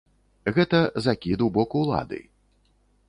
Гэта закід у бок улады.